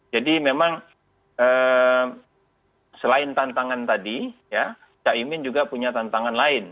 jadi memang selain tantangan tadi ya cak imin juga punya tantangan lain